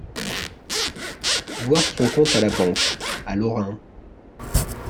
Voir son compte à la banque." À Lorin.